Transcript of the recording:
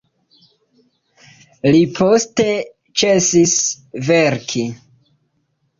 Li poste ĉesis verki.